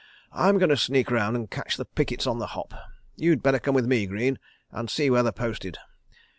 I'm going to sneak round and catch the pickets on the hop. You'd better come with me, Greene, and see where they're posted.